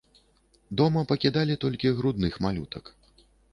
Дома пакідалі толькі грудных малютак.